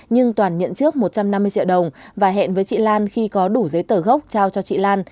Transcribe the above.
nhưng toàn nhận trước một trăm năm mươi triệu đồng và hẹn với chị lan khi có đủ giấy tờ gốc trao cho chị lan